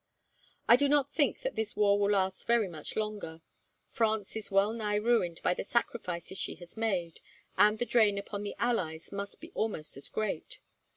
I do not think that this war will last very much longer. France is well nigh ruined by the sacrifices she has made, and the drain upon the allies must be almost as great.